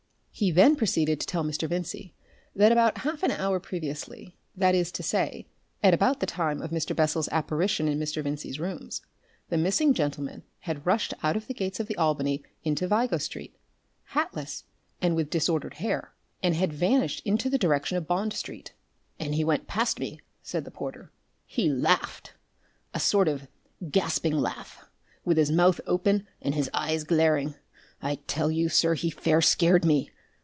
He then proceeded to tell Mr. Vincey that about half an hour previously, that is to say, at about the time of Mr. Bessel's apparition in Mr. Vincey's rooms, the missing gentleman had rushed out of the gates of the Albany into Vigo Street, hatless and with disordered hair, and had vanished into the direction of Bond Street. "And as he went past me," said the porter, "he laughed a sort of gasping laugh, with his mouth open and his eyes glaring I tell you, sir, he fair scared me!